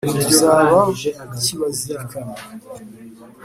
Tuzaba kukibazirikana